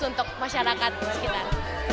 untuk masyarakat sekitar